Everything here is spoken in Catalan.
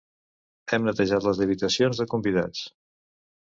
Hem netejat les habitacions de convidats.